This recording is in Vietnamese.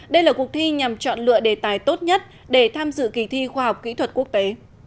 đây là cuộc thi nhằm chọn lựa đề tài tốt nhất để tham dự kỳ thi khoa học kỹ thuật quốc tế